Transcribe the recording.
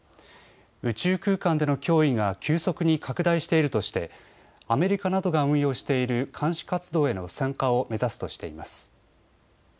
宇宙空間での脅威が急速に拡大しているとしてアメリカなどが運用している監視活動への参加を目指すとしています。